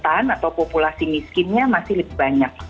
kesehatan atau populasi miskinnya masih lebih banyak